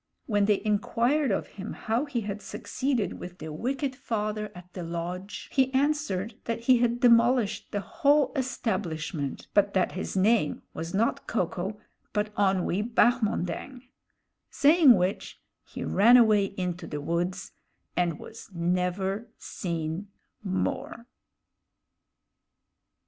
When they inquired of him how he had succeeded with the wicked father at the lodge, he answered that he had demolished the whole establishment, but that his name was not Ko ko, but Onwee Bahmondang; saying which, he ran away into the woods, and was never seen more.